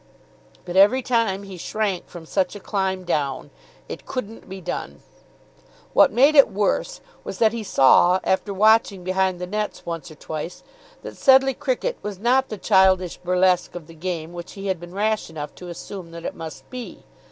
But every time he shrank from such a climb down. It couldn't be done. What made it worse was that he saw, after watching behind the nets once or twice, that Sedleigh cricket was not the childish burlesque of the game which he had been rash enough to assume that it must be.